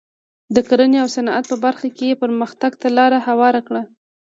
د کرنې او صنعت په برخه کې یې پرمختګ ته لار هواره کړه.